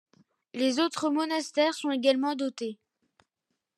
Les autres monastères sont également dotées.